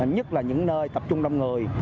nhất là những nơi tập trung đông người